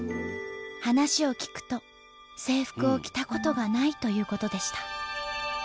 話を聞くと制服を着たことがないということでした。